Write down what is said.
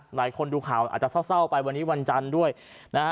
หลายคนดูข่าวอาจจะเศร้าไปวันนี้วันจันทร์ด้วยนะฮะ